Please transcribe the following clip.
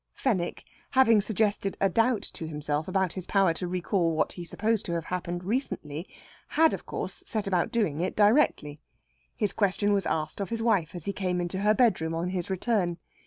Fenwick, having suggested a doubt to himself about his power to recall what he supposed to have happened recently, had, of course, set about doing it directly. His question was asked of his wife as he came into her bedroom on his return.